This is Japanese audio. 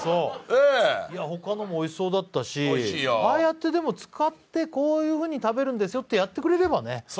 ほかにもおいしそうだったし、ああやって使ってこういうふうに食べるんですよってやってくれればね